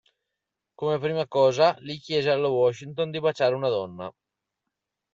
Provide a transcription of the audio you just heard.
Come prima cosa, Lee chiese alla Washington di baciare una donna.